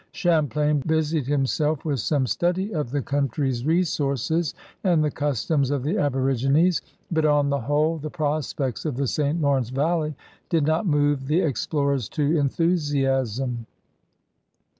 Champlain busied himself with some study of the country's resources and the customs of the abo rigines; but on the whole the prospects of the St. Lawrence valley did not move the explorers to enthusiasm.